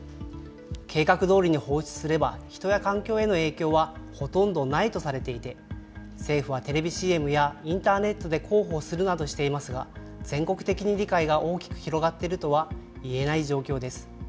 計画どおりに放出すれば人や環境への影響はほとんどないとされていて、政府はテレビＣＭやインターネットで広報するなどしていますが、全国的に理解が大きく広がっているとはいえない状況です。